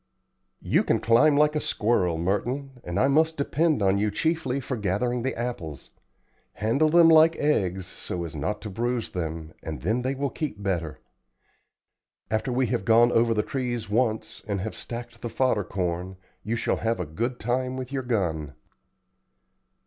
"You can climb like a squirrel, Merton, and I must depend on you chiefly for gathering the apples. Handle them like eggs, so as not to bruise them, and then they will keep better. After we have gone over the trees once and have stacked the fodder corn you shall have a good time with your gun."